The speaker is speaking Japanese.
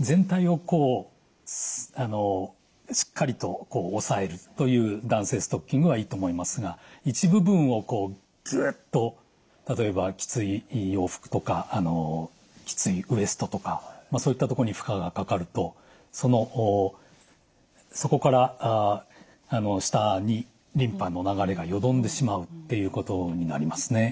全体をこうしっかりと押さえるという弾性ストッキングはいいと思いますが一部分をぐっと例えばきつい洋服とかきついウエストとかそういったところに負荷がかかるとそこから下にリンパの流れがよどんでしまうっていうことになりますね。